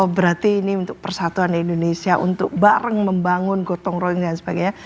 berarti ini untuk persatuan indonesia untuk bareng membangun gotong royong dan sebagainya